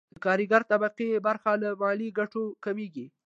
د کارګرې طبقې برخه له ملي ګټو کمېږي